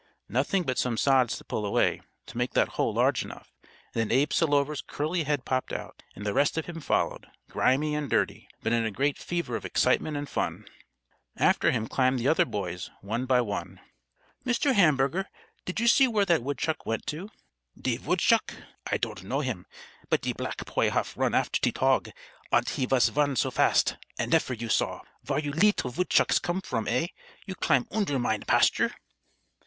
Nothing but some sods to pull away, to make that hole large enough, and then Abe Selover's curly head popped out, and the rest of him followed, grimy and dirty, but in a great fever of excitement and fun. After him climbed the other boys, one by one. "Mr. Hamburger, did you see where that woodchuck went to?" "De vootshuck? I don't know him. But de black poy haf run after de tog, ant he vas run so fast as nefer you saw. Vare you leetle vootshucks coom from, eh? You climb oonder mein pasture?"